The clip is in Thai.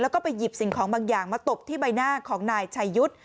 แล้วก็ไปหยิบสิ่งของบางอย่างมาตบที่ใบหน้าของนายชายุทธ์